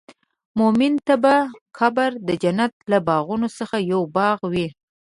مؤمن ته به قبر د جنت له باغونو څخه یو باغ وي.